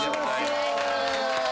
お願いします。